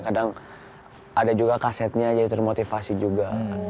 kadang ada juga kasetnya jadi termotivasi juga